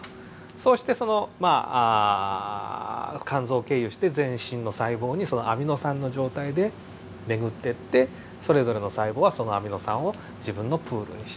そうしてその肝臓を経由して全身の細胞にアミノ酸の状態で巡ってってそれぞれの細胞はそのアミノ酸を自分のプールにして。